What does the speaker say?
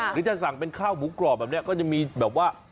หรือจะสั่งเป็นข้าวหมูกรอบแบบนี้ก็จะมีแบบว่า